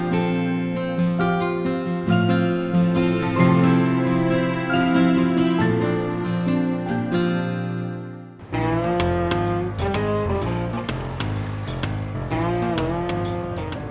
sampai jumpa lagi